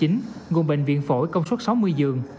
nguồn bệnh viện phổi công suất sáu mươi giường